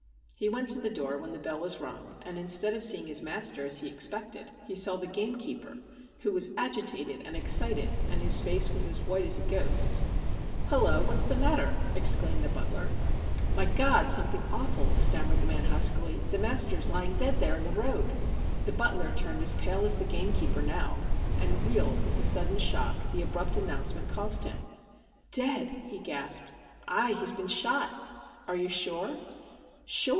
He went to the door when the bell was rung, and, instead of seeing his master as he expected, he saw the gamekeeper, who was agitated and excited, and whose face was as white as a ghost's. ' Hullo ! what's the matter ?' exclaimed the butler. THE BELL OF DOOM 259 ' My God, something awful !' stammered the man huskily. ' The master's lying dead there in the road !' The butler turned as pale as the gamekeeper now, and reeled with the sudden shock the abrupt announcement caused him. ' Dead !' he gasped. ' Ay, he's been shot.' ' Are you sure ?'' Sure